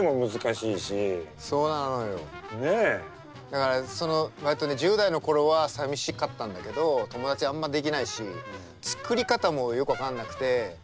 だからその割とね１０代の頃はさみしかったんだけど友達あんまできないし作り方もよく分かんなくて。